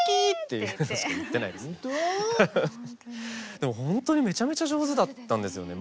でもほんとにめちゃめちゃ上手だったんですよね。